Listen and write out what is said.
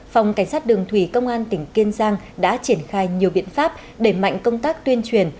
phòng cảnh sát đường thủy công an tỉnh kiên giang đã triển khai nhiều biện pháp đẩy mạnh công tác tuyên truyền